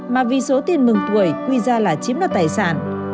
mà vì số tiền mừng tuổi quy ra là chiếm đoạt tài sản